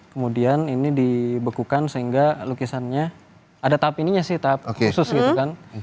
kemudian ini dibekukan sehingga lukisannya ada tahap ininya sih tahap khusus gitu kan